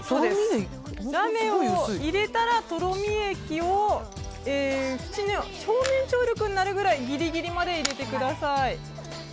ラメを入れたら、とろみ液を表面張力になるくらいギリギリまで入れてください。